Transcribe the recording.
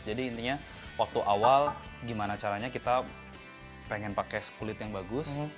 jadi intinya waktu awal gimana caranya kita pengen pakai kulit yang bagus